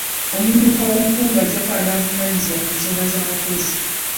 Omumyuka w'omukungu ajja kukola n'avunaanyizibwa ku nsonga z'abakozi.